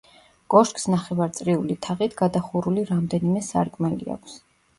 კოშკს ნახევარწრიული თაღით გადახურული რამდენიმე სარკმელი აქვს.